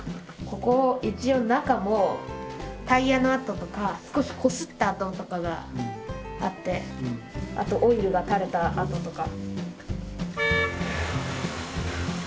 ここ一応中もタイヤの跡とか少しこすった跡とかがあってあとオイルが垂れた跡とか。